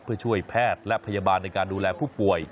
เพื่อช่วยแพทย์และพยาบาลในการดูแลผู้ป่วย